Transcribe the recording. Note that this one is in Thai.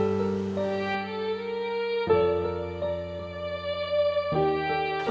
คือจะปั๊ก